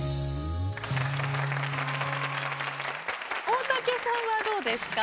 大竹さんはどうですか？